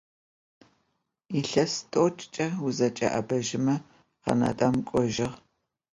Yilhes t'oç'ç'e vuzeç'e'ebejme Kanadem k'ojığ.